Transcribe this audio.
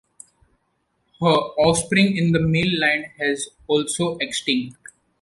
Her offspring in the male line has also extinct.